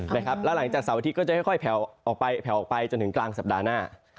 แล้วหลังจากเสาร์อาทิตย์ก็จะค่อยแผ่วออกไปแผลวออกไปจนถึงกลางสัปดาห์หน้า